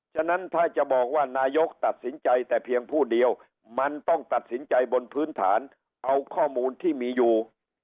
ฉะนั้นถ้าจะบอกว่านายกตัดสินใจแต่เพียงผู้เดียวมันต้องตัดสินใจบนพื้นฐานเอาข้อมูลที่มีอยู่